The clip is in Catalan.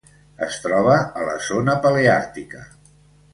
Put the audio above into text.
Es troba a la Zona Paleàrtica.